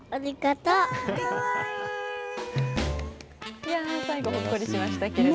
いやー、最後ほっこりしましたけど。